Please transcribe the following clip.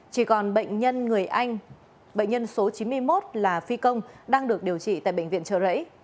chỉ còn bệnh nhân người anh bệnh nhân số chín mươi một là phi công đang được điều trị tại bệnh viện trợ rẫy